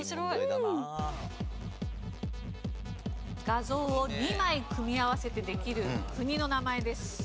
画像を２枚組み合わせてできる国の名前です。